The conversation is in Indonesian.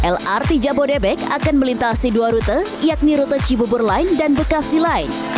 lrt jabodebek akan melintasi dua rute yakni rute cibubur line dan bekasi lain